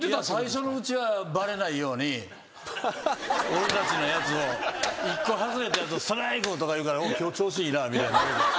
最初のうちはバレないように俺たちのやつを１個外れたやつをストライクとか言うから「今日調子いいな」みたいになる。